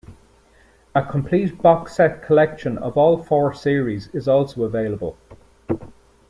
A complete box set collection of all four series is also available.